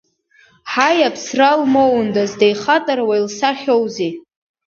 Ҳаи, аԥсра лмоундаз, деихатаруа, илсахьоузеи.